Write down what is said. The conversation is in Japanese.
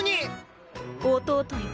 弟よ